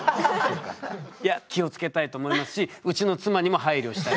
いや気を付けたいと思いますしうちの妻にも配慮したいと思います。